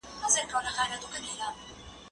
ايا ته سپينکۍ مينځې،